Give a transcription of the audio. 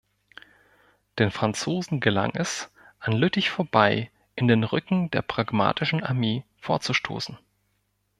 Den Franzosen gelang es, an Lüttich vorbei in den Rücken der pragmatischen Armee vorzustoßen.